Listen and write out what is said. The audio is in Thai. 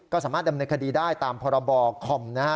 ก็สามารถดำเนินคดีได้ตามพรบคอมนะฮะ